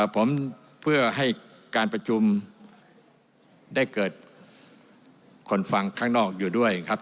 ผมเพื่อให้การประชุมได้เกิดคนฟังข้างนอกอยู่ด้วยครับ